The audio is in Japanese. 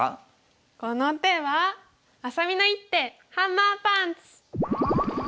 この手はあさみの一手ハンマーパンチ！